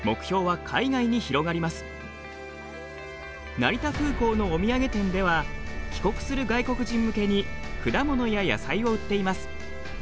成田空港のお土産店では帰国する外国人向けに果物や野菜を売っています。